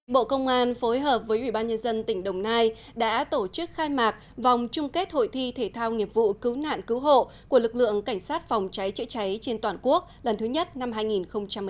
bộ công an phối hợp với ủy ban nhân dân tỉnh đồng nai đã tổ chức khai mạc vòng chung kết hội thi thể thao nghiệp vụ cứu nạn cứu hộ của lực lượng cảnh sát phòng cháy chữa cháy trên toàn quốc lần thứ nhất năm hai nghìn một mươi chín